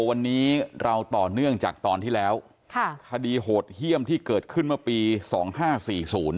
วันนี้เราต่อเนื่องจากตอนที่แล้วค่ะคดีโหดเยี่ยมที่เกิดขึ้นเมื่อปีสองห้าสี่ศูนย์